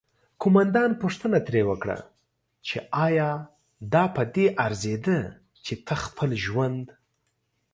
قوماندان پوښتنه ترې وکړه چې آیا دا پدې ارزیده چې ته خپل ژوند